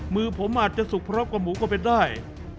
มือผมอาจจะสุกพร้อมกับหมูก็เป็นได้